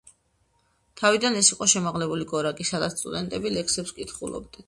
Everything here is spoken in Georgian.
თავიდან ეს იყო შემაღლებული გორაკი, სადაც სტუდენტები ლექსებს კითხულობდნენ.